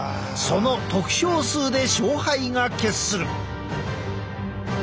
その得票数で勝敗が決する。